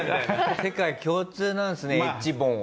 世界共通なんですねＨ本は。